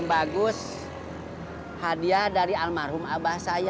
kak r mountain sih titelnya nggak pernah bunganya